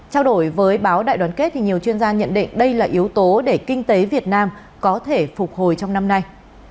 trao đổi với báo đại đoàn kết thì nhiều chuyên gia nhận định đây là yếu tố để kinh tế việt nam có thể phục hồi trong năm nay